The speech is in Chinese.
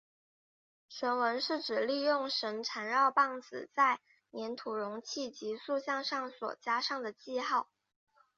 绳文是指利用绳缠绕棒子在黏土容器及塑像上所加上的记号。